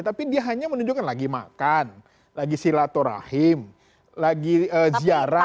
tapi dia hanya menunjukkan lagi makan lagi silaturahim lagi ziarah